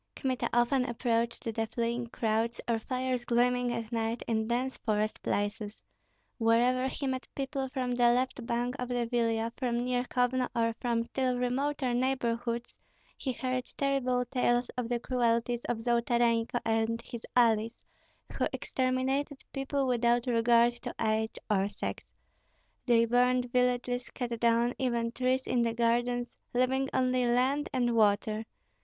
Kmita often approached the fleeing crowds, or fires gleaming at night in dense forest places. Wherever he met people from the left bank of the Vilia, from near Kovno, or from still remoter neighborhoods, he heard terrible tales of the cruelties of Zolotarenko and his allies, who exterminated people without regard to age or sex; they burned villages, cut down even trees in the gardens, leaving only land and water.